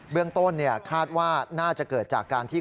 เรื่องต้นคาดว่าน่าจะเกิดจากการที่